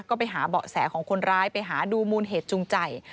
ก็ไปหาเบาะแสของคนร้ายไปหาดูมูลเหตุจูงใจ